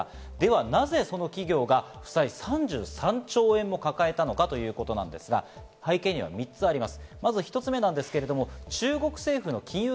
なぜそんな企業が負債３３兆円を抱えたのかということですが、背景には３つあります。